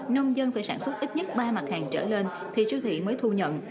nông dân phải sản xuất ít nhất ba mặt hàng trở lên thì siêu thị mới thu nhận